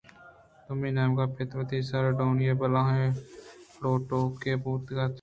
دومی نیمگءَ پت وت سارٹونی ءِ بلاہیں لوٹوکے بوتگ